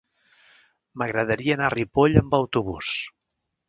M'agradaria anar a Ripoll amb autobús.